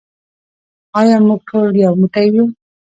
آیا موږ ټول یو موټی یو؟